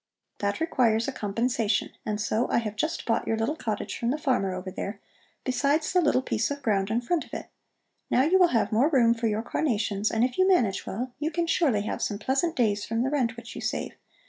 That requires a compensation, and so I have just bought your little cottage from the farmer over there, besides the little piece of ground in front of it. Now you will have more room for your carnations, and if you manage well, you can surely have some pleasant days from the rent which you save.